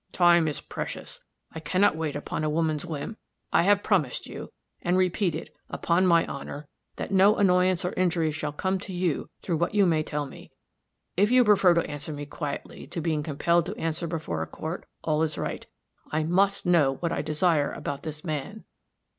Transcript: "Time is precious. I can not wait upon a woman's whim. I have promised you and repeat it, upon my honor that no annoyance or injury shall come to you through what you may tell me. If you prefer to answer me quietly to being compelled to answer before a court, all is right. I must know what I desire about this man."